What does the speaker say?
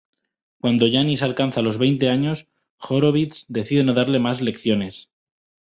Cuando Janis alcanza los veinte años, Horowitz decide no darle más lecciones.